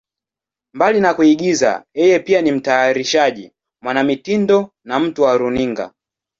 Mbali na kuigiza, yeye pia ni mtayarishaji, mwanamitindo na mtu wa runinga.